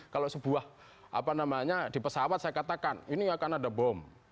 kalau sebuah apa namanya di pesawat saya katakan ini akan ada bom